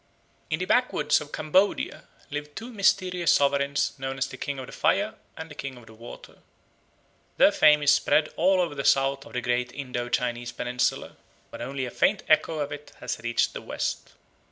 In the backwoods of Cambodia live two mysterious sovereigns known as the King of the Fire and the King of the Water. Their fame is spread all over the south of the great Indo Chinese peninsula; but only a faint echo of it has reached the West.